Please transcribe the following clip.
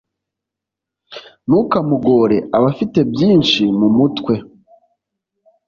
Nukamugore aba afite byinshi mu mutwe